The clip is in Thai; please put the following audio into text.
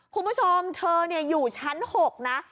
คุณผู้ชมเธอเนี่ยอยู่ชั้น๖น่ะ